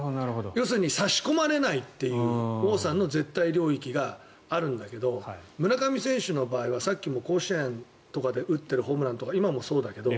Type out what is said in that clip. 要するに差し込まれないという王さんの絶対領域があるんだけど村上選手の場合はさっきも甲子園とかで打ってるホームランとか今もそうだけど